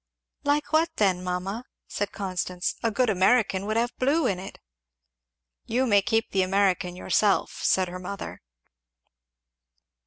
"Like what then, mamma?" said Constance; "a good American would have blue in it." "You may keep the American yourself," said her mother.